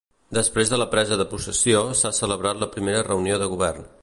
Després de la presa de possessió s'ha celebrat la primera reunió de govern.